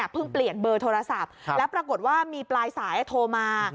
เปลี่ยนเบอร์โทรศัพท์แล้วปรากฏว่ามีปลายสายโทรมา